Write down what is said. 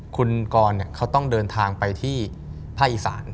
คุณกรเขาต้องเดินทางไปที่ภาคอีสาน